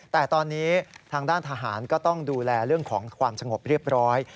แต่ตอนนี้ทางด้านทหารก็ต้องดูแลเรื่องของความสงบเรียบร้อย